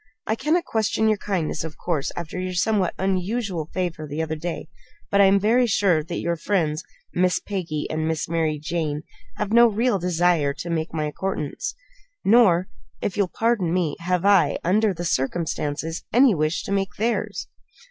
I cannot question your kindness, of course, after your somewhat unusual favor the other day; but I am very sure that your friends, Miss Peggy, and Miss Mary Jane, have no real desire to make my acquaintance, nor if you'll pardon me have I, under the circumstances, any wish to make theirs."